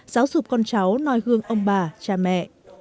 giáo dục con cháu noi gương ông bà cha mẹ